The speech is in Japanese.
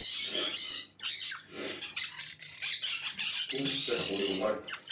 どうやったらこれ終わるかな。